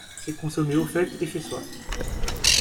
C’est consommé aux fêtes et chez-soi.